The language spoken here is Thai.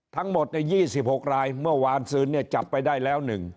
ทั้งหมดเนี่ยยี่สิบหกรายเมื่อวานซื้อเนี่ยจับไปได้แล้วหนึ่ง